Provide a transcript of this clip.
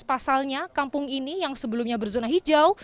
pasalnya kampung ini yang sebelumnya berzona hijau